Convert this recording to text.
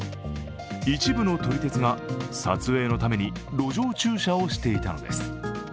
一部の撮り鉄が撮影のために路上中車をしていたのです。